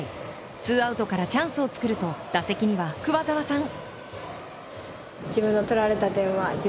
ツーアウトからチャンスを作ると打席には、桑澤さん。